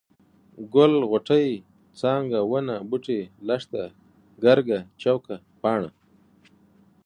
ګل، غوټۍ، څانګه ، ونه ، بوټی، لښته ، ګرګه ، چوکه ، پاڼه،